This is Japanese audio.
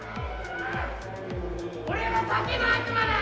俺は酒の悪魔だ。